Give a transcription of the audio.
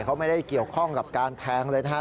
เขาไม่ได้เกี่ยวข้องกับการแทงเลยนะครับ